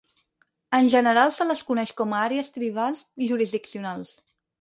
En general, se les coneix com a Àrees Tribals Jurisdiccionals.